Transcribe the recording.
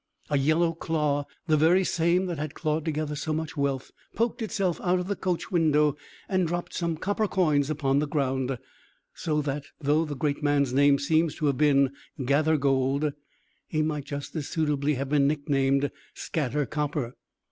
A yellow claw the very same that had clawed together so much wealth poked itself out of the coach window, and dropt some copper coins upon the ground; so that, though the great man's name seems to have been Gathergold, he might just as suitably have been nicknamed Scattercopper.